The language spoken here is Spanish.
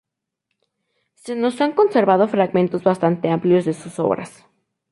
Se nos han conservado fragmentos bastante amplios de sus obras.